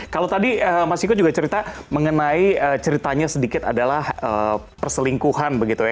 kalau tadi mas ciko juga cerita mengenai ceritanya sedikit adalah perselingkuhan begitu ya